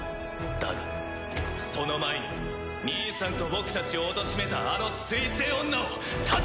だがその前に兄さんと僕たちをおとしめたあの水星女をたたき潰す！